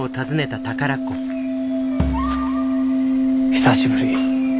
久しぶり。